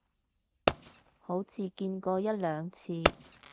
好似見過一兩次